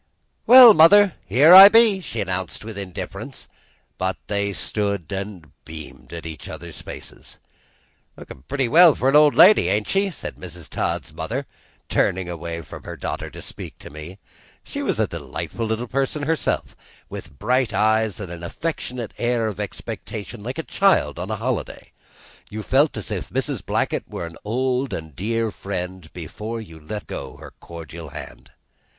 "Well, mother, here I be!" she announced with indifference; but they stood and beamed in each other's faces. "Lookin' pretty well for an old lady, ain't she?" said Mrs. Todd's mother, turning away from her daughter to speak to me. She was a delightful little person herself, with bright eyes and an affectionate air of expectation like a child on a holiday. You felt as if Mrs. Blackett were an old and dear friend before you let go her cordial hand.